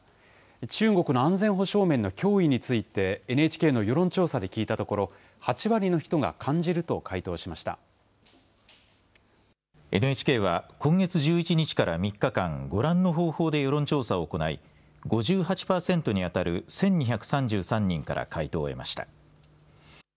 中国の安全保障面の脅威についてＮＨＫの世論調査で聞いたところ、ＮＨＫは今月１１日から３日間、ご覧の方法で世論調査を行い、５８％に当たる１２３３人から回答を得ました。